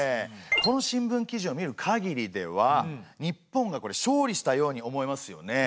この新聞記事を見るかぎりでは日本が勝利したように思えますよね。